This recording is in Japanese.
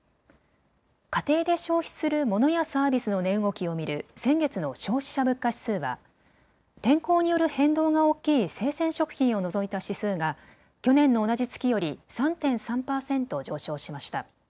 家庭で消費するモノやサービスの値動きを見る先月の消費者物価指数は天候による変動が大きい生鮮食品を除いた指数が去年の同じ月より３．３％上昇しました。